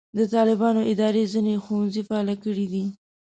د طالبانو اداره ځینې ښوونځي فعاله کړي دي.